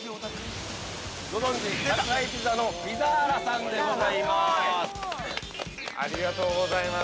ご存じ、宅配ピザのピザーラさんでございます。